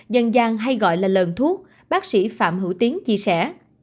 dần dàng hay gọi là lờn thuốc bác sĩ phạm hữu tiến chia sẻ